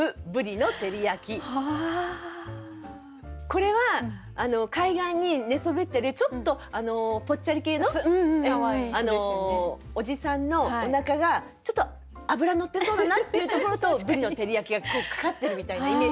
これは海岸に寝そべってるちょっとぽっちゃり系のおじさんのおなかがちょっと脂乗ってそうだなっていうところとブリの照り焼きがかかってるみたいなイメージだったんですけど。